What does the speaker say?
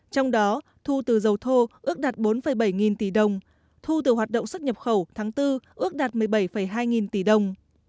trong đó thu từ dầu thô ước đạt bốn bảy nghìn tỷ đồng thu từ hoạt động xuất nhập khẩu tháng bốn ước đạt một mươi bảy hai nghìn tỷ đồng